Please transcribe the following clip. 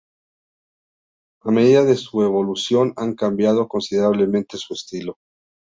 A medida de su evolución han cambiado considerablemente su estilo.